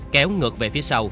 kéo ngược về phía sau